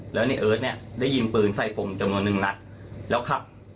แล้วในเอิร์ทเนี่ยได้ยิงปืนใส่ผมจำนวนหนึ่งนัดแล้วขับ